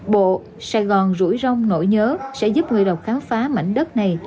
bộ sài gòn rủi rong nổi nhớ sẽ giúp người đầu khám phá mảnh đất này